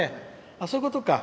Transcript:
そういうことか。